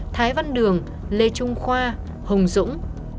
thái văn đường lê trung khoa hồng dũng